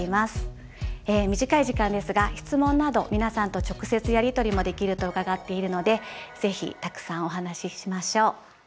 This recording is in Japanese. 短い時間ですが質問など皆さんと直接やり取りもできると伺っているのでぜひたくさんお話ししましょう。